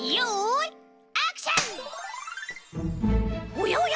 おやおや？